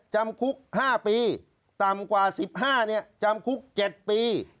จำคุกห้าปีต่ำกว่าสิบห้าเนี่ยจำคุกเจ็ดปี